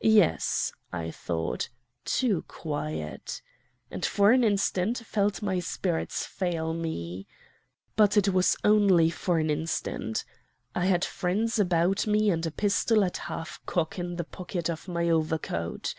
"'Yes,' thought I, 'too quiet!' and for an instant felt my spirits fail me. But it was only for an instant. I had friends about me and a pistol at half cock in the pocket of my overcoat.